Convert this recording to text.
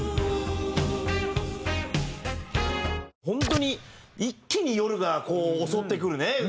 本当に一気に夜がこう襲ってくるね。